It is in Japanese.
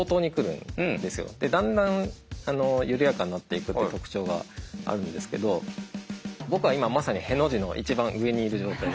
でだんだん緩やかになっていくっていう特徴があるんですけど僕は今まさにへの字の一番上にいる状態。